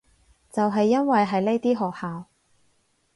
就係因為係呢啲學校